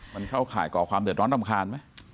มันเข้าข่ายก่อความเดือดร้อนรำคาญไหม